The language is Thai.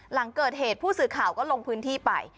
หลังเกิดเหตุผู้สื่อข่าวก็ลงพื้นที่ไป